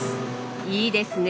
いいですね！